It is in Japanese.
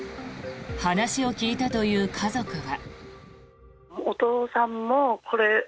話を聞いたという家族は。